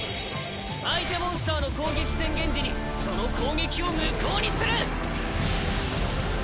相手モンスターの攻撃宣言時にその攻撃を無効にする！